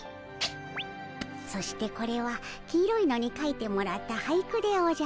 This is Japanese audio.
そしてこれは黄色いのにかいてもらった俳句でおじゃる。